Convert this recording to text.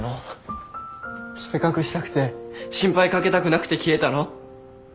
それ隠したくて心配掛けたくなくて消えたの？